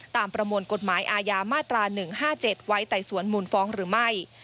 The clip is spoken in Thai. ประมวลกฎหมายอาญามาตรา๑๕๗ไว้ไต่สวนมูลฟ้องหรือไม่